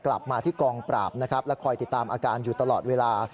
กลับมาที่กองปราบนะครับและคอยติดตามอาการอยู่ตลอดเวลา